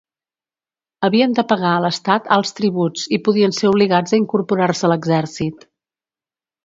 Havien de pagar a l'estat alts tributs i podien ser obligats a incorporar-se a l'exèrcit.